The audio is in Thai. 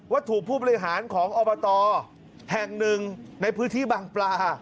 ถูกผู้บริหารของอบตแห่งหนึ่งในพื้นที่บางปลา